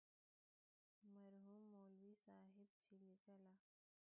مرحوم مولوي صاحب چې لیکله.